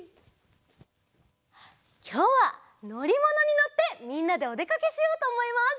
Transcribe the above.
きょうはのりものにのってみんなでおでかけしようとおもいます。